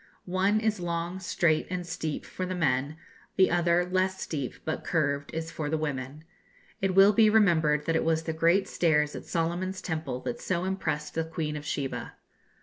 One is long, straight, and steep, for the men; the other, less steep, but curved, is for the women. It will be remembered that it was the great stairs at Solomon's temple that so impressed the Queen of Sheba.